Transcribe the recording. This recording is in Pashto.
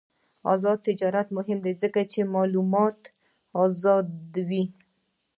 آزاد تجارت مهم دی ځکه چې معلومات آزادوي.